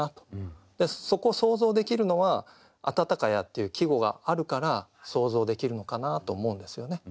でそこ想像できるのは「あたたかや」っていう季語があるから想像できるのかなと思うんですよね。